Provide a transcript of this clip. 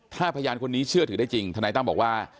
ถ้าพยานคนนี้เชื่อถือได้จริงทนายตั้มบอกว่า